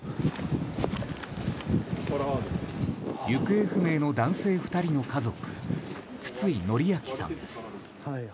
行方不明の男性２人の家族筒井紀顕さんです。